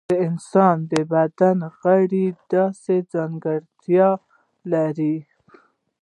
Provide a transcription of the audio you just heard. د انسان د بدن غړي داسې ځانګړتیا لري.